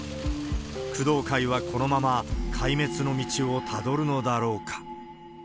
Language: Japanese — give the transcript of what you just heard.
工藤会はこのまま壊滅の道をたどるのだろうか。